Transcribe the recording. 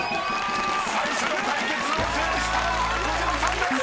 ［最初の対決を制したのは児嶋さんです！］